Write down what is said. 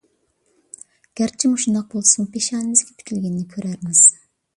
گەرچە مۇشۇنداق بولسىمۇ، پېشانىمىزگە پۈتۈلگىنىنى كۆرەرمىز.